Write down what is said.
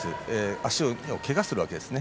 足をけがするわけですね。